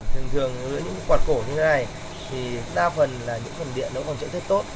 thường thường những quạt cổ như thế này thì đa phần là những phần điện nó còn trợ thết tốt